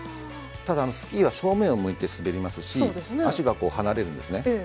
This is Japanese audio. ただ、スキーは正面を向いて滑りますし足が離れるんですね。